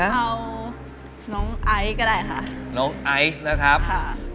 เอาน้องไอซ์ก็ได้ค่ะน้องไอซ์นะครับค่ะ